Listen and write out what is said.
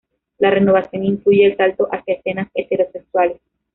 La renovación incluye el salto hacia escenas heterosexuales.